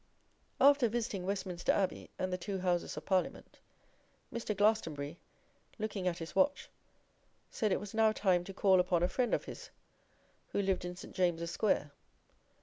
After visiting Westminster Abbey and the two Houses of Parliament, Mr. Glastonbury, looking at his watch, said it was now time to call upon a friend of his who lived in St. James's Square.